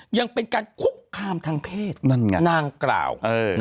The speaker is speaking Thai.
ยังเป็นการคุกคามทางเพศนั่นไงนางกล่าว